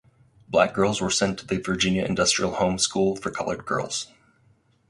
Black girls were sent to the Virginia Industrial Home School for Colored Girls.